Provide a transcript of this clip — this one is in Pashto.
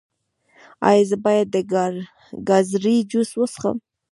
ایا زه باید د ګازرې جوس وڅښم؟